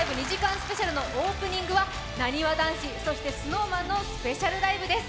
スペシャルのオープニングはなにわ男子、そしてＳｎｏｗＭａｎのスペシャルライブです。